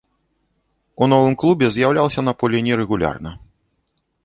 У новым клубе з'яўляўся на полі нерэгулярна.